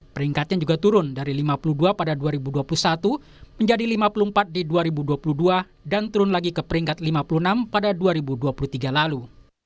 peringkatnya juga turun dari lima puluh dua pada dua ribu dua puluh satu menjadi lima puluh empat di dua ribu dua puluh dua dan turun lagi ke peringkat lima puluh enam pada dua ribu dua puluh tiga lalu